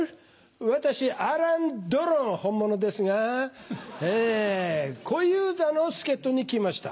私アラン・ドロン本物ですが小遊三の助っ人に来ました。